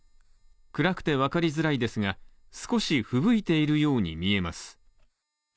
暗くてわかりづらいですが、少し吹雪いているように見えます。